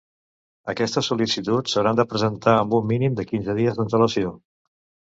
Aquestes sol·licituds s'hauran de presentar amb un mínim de quinze dies d'antelació.